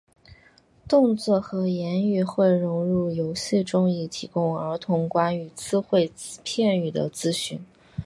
动作和言语会融入游戏中以提供儿童关于字汇及片语的资讯。